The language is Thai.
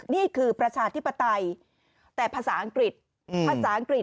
นี่คือประชาธิปไตยแต่ภาษาอังกฤษ